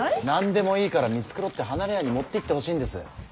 何でもいいから見繕って離れ屋に持っていってほしいんです。